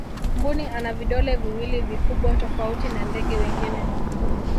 mbuni ana vidole viwili vikubwa tofauti na ndege wengine